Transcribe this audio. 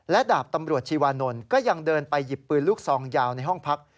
ดาบตำรวจชีวานนท์ก็ยังเดินไปหยิบปืนลูกซองยาวในห้องพัก